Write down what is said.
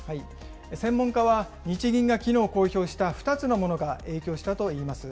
専門家は、日銀がきのう公表した２つのものが影響したといいます。